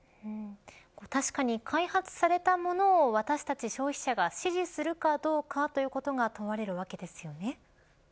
確かに、開発されたものを私たち消費者が支持するかどうかということが問われるわけですよね。